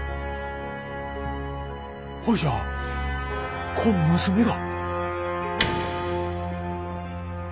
ほいじゃこん娘が。